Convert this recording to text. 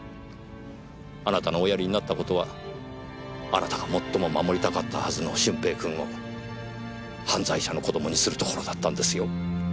あなたのおやりになった事はあなたが最も守りたかったはずの駿平君を犯罪者の子供にするところだったんですよ。